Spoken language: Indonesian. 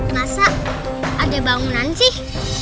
masa ada bangunan sih